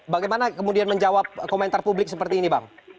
bagaimana kemudian menjawab komentar publik seperti ini bang